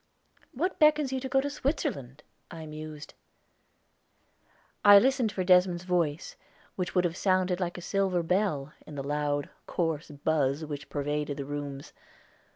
"What beckons you to go to Switzerland?" I mused. I listened for Desmond's voice, which would have sounded like a silver bell, in the loud, coarse buzz which pervaded the rooms.